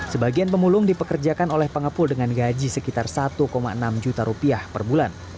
sebagian pemulung dipekerjakan oleh pengepul dengan gaji sekitar satu enam juta rupiah per bulan